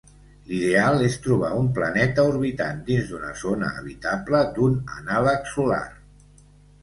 L'ideal és trobar un planeta orbitant dins d'una zona habitable d'un anàleg solar.